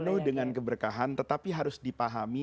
penuh dengan keberkahan tetapi harus dipahami